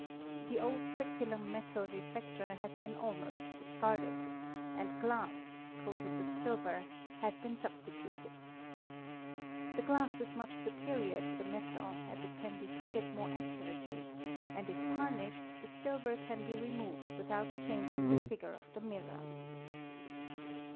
The old speculum metal reflector has been almost dis carded and glass, coated with silver, has been substituted. The glass is much superior to the metal, as it can be figured more accurately, and if tarnished the silver can be removed without changing the figure of the mirror.